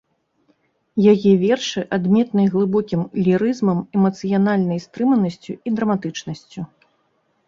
Яе вершы адметныя глыбокім лірызмам, эмацыянальнай стрыманасцю і драматычнасцю.